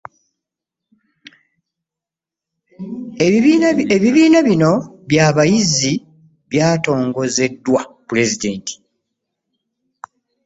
Ebibiina bino eby'abayizi byatongozeddwa Pulezidenti